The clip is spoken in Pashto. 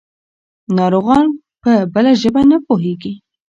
ناروغان په بله ژبه نه پوهېږي.